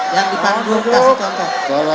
yang di panggung kasih contoh